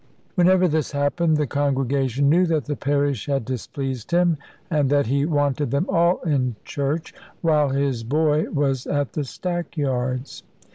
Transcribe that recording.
Whenever this happened, the congregation knew that the parish had displeased him, and that he wanted them all in church; while his boy was at the stackyards.